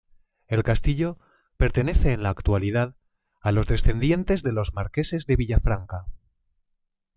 El Castillo pertenece en la actualidad a los descendientes de los Marqueses de Villafranca.